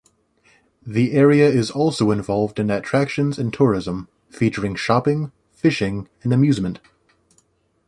The area is also involved in attractions and tourism, featuring shopping, fishing and amusement.